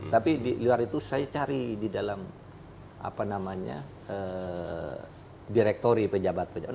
tapi di luar itu saya cari di dalam direktori pejabat pejabat